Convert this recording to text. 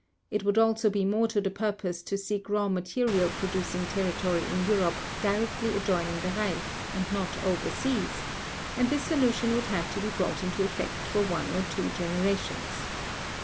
It would also be more to the purpose to seek raw material producing territory in Europe directly adjoining the Reich and not overseas, and this solution would have to be brought into effect for one or two generations